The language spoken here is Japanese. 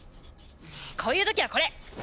こういう時はこれ！